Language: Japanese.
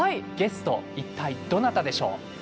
ゲスト、一体どなたでしょう？